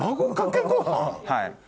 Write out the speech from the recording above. はい。